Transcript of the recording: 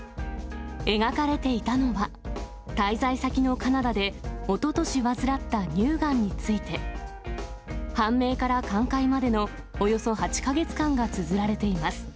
描かれていたのは、滞在先のカナダでおととし患った乳がんについて、判明から寛解までのおよそ８か月間がつづられています。